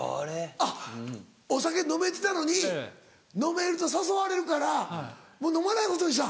あっお酒飲めてたのに飲めると誘われるからもう飲まないことにした。